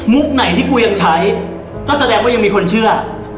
ไหนที่กูยังใช้ก็แสดงว่ายังมีคนเชื่อ